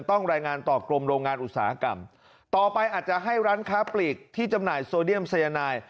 ต้องรายงานต่อกรมโรงงานอุตสาหกรรมต่อไปอาจจะให้ร้านค้าปลีกที่จำหน่ายโซเดียมสัยนาย